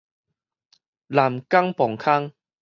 南港磅空